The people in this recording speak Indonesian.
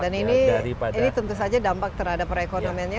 dan ini tentu saja dampak terhadap perekonomiannya